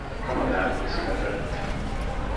Kanadában született.